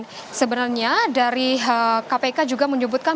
dan sebenarnya dari kpk juga menyebutkan